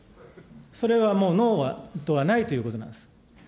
それはもう、ノーではないということなんです。